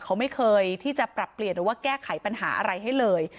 เขาไม่เคยที่จะปรับเปลี่ยนหรือว่าแก้ไขปัญหาอะไรให้เลย